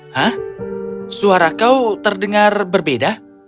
hah suara kau terdengar berbeda